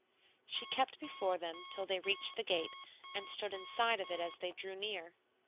She kept before them till they reached the gate, and stood inside of it as they drew near.